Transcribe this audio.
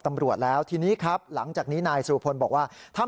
ตำรวจแล้วทีนี้ครับหลังจากนี้นายสุรพลบอกว่าถ้า